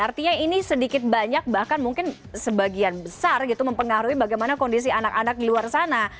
artinya ini sedikit banyak bahkan mungkin sebagian besar gitu mempengaruhi bagaimana kondisi anak anak di luar sana